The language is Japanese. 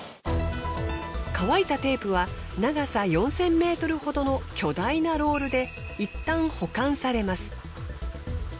乾いたテープは長さ４，０００ｍほどの巨大なロールで一旦保管されます。